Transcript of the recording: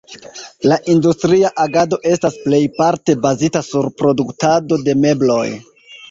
La industria agado estas plejparte bazita sur produktado de mebloj.